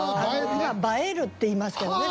今「映える」って言いますけどね